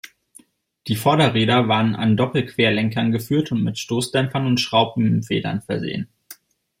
Die Vorderräder waren an Doppelquerlenkern geführt und mit Stoßdämpfern und Schraubenfedern versehen.